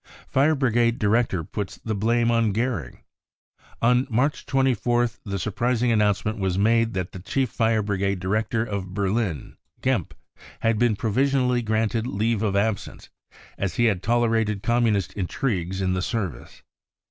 Fire Brigade Director puts the blame on Goering. Op March 24th the surprising announcement was made that j I THE REAL INCENDIARIES 121 the chief firc brigadeoiirector of Berlin, Gernpp, had been provisionally granted leave of absence, as he had tolerated Communist intrigues in the service.